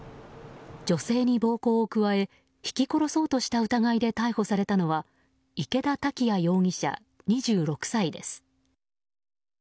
女性に暴行を加えひき殺そうとした疑いで逮捕されたのは池田多岐也容疑者、２６歳です。